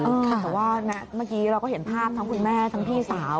แต่ว่าเมื่อกี้เราก็เห็นภาพทั้งคุณแม่ทั้งพี่สาว